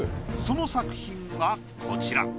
その作品がこちら。